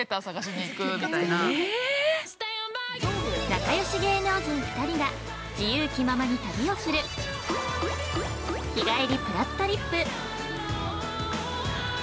◆仲よし芸能人が２人が自由気ままに旅をする「日帰りぷらっとりっぷ」